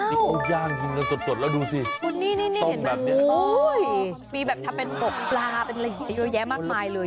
อีกคู่ย่างกินกันสดแล้วดูสิส้มแบบนี้โอ๊ยมีแบบทำเป็นปลอกปลาเป็นเยอะแยะมากมายเลย